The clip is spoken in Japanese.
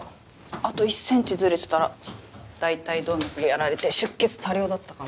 あと１センチずれてたら大腿動脈やられて出血多量だったかも。